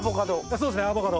そうっすねアボカド。